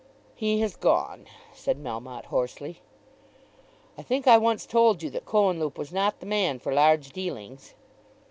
"He has gone," said Melmotte hoarsely. "I think I once told you that Cohenlupe was not the man for large dealings."